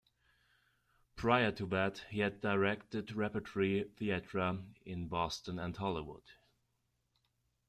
Prior to that, he had directed repertory theatera in Boston and Hollywood.